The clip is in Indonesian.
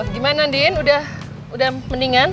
gimana din udah mendingan